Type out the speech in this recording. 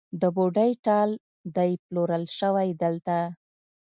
د بوډۍ ټال دی پلورل شوی دلته